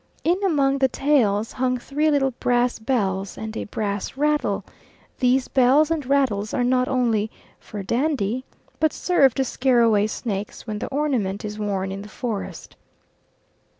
In among the tails hung three little brass bells and a brass rattle; these bells and rattles are not only "for dandy," but serve to scare away snakes when the ornament is worn in the forest.